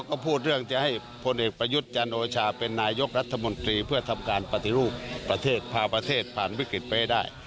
เขาเสนอจะให้เราทำอะไร